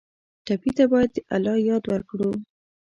ټپي ته باید د الله یاد ورکړو.